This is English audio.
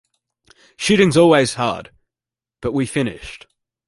Shooting's always hard, but we finished.